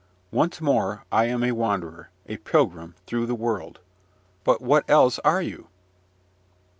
Once more I am a wanderer, a pilgrim, through the world. But what else are you!